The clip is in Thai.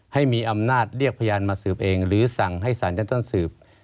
ให้มีอำนาจเรียกพยานมาสืบเองหรือสั่งให้สารชั้นต้นสืบ